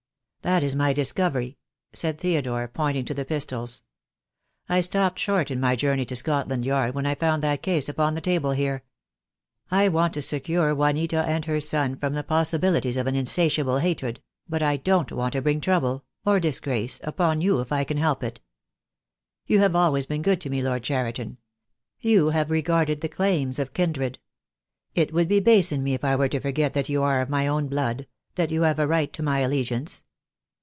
"That is my discovery," said Theodore, pointing to the pistols. "I stopped short in my journey to Scotland I 88 THE DAY WILL COME. Yard when I found that case upon the table here. I want to secure Juanita and her son from the possibilities of an insatiable hatred — but I don't want to bring trouble — or disgrace — upon you, if I can help it. You have always been good to me, Lord Cheriton. You have re garded the claims of kindred. It would be base in me if I were to forget that you are of my own blood — that you have a right to my allegiance.